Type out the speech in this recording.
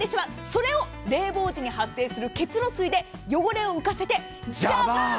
それを冷房時に発生する結露水で汚れを浮かせて、ジャバー！